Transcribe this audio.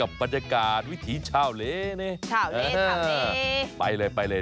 เออเอาสิ